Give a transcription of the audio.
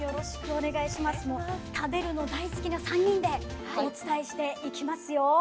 もう食べるの大好きな３人でお伝えしていきますよ。